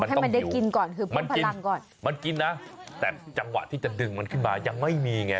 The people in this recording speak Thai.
ให้มันได้กินก่อนคือมันกินก่อนมันกินนะแต่จังหวะที่จะดึงมันขึ้นมายังไม่มีไง